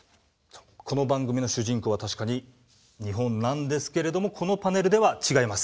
この番組の主人公は確かに日本なんですけれどもこのパネルでは違います。